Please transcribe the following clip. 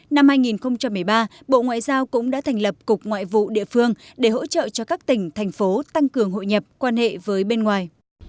năm hai nghìn một mươi ba bộ ngoại giao cũng đã thành lập cục ngoại vụ địa phương để hỗ trợ cho các tỉnh thành phố tăng cường hội nhập quan hệ với bên ngoài